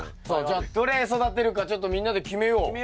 さあじゃあどれ育てるかちょっとみんなで決めよう。